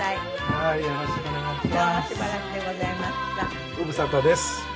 どうぞよろしくお願い致します。